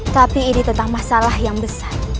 tapi ini tentang masalah yang besar